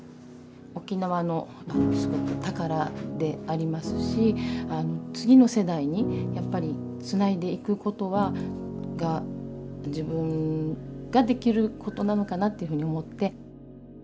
沖縄のすごく宝でありますし次の世代にやっぱりつないでいくことが自分ができることなのかなっていうふうに思って。